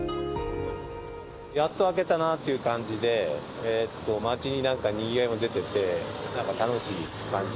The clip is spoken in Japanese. やっと明けたなっていう感じで、街になんかにぎわいも出てて、なんか楽しい感じ。